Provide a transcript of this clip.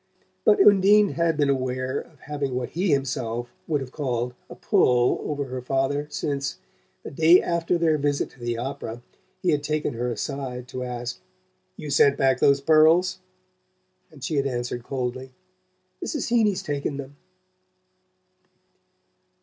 But Undine had been aware of having what he himself would have called "a pull" over her father since, the day after their visit to the opera, he had taken her aside to ask: "You sent back those pearls?" and she had answered coldly: "Mrs. Heeny's taken them."